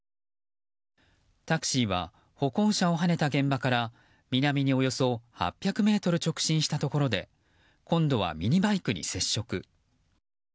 タクシーは歩行者をはねた現場から南におよそ８００ｍ直進したところで今度はミニバイクに接触。